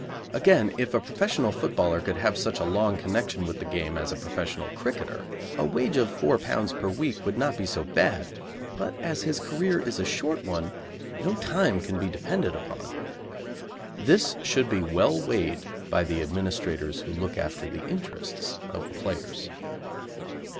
Again, if a professional footballer could have such a long connection with the game as a professional cricketer, a wage of £4 per week would not be so bad, but as his career is a short one, no time can be depended upon. This should be well weighed by the administrators who look after the interests of the players.